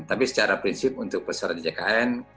tapi secara prinsip untuk peserta ckn